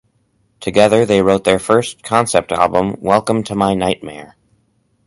Together they wrote their first concept album, "Welcome to My Nightmare".